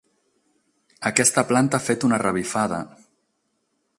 Aquesta planta ha fet una revifada!